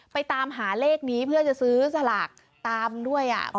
ตามหาเลขนี้เพื่อจะซื้อสลากตามด้วย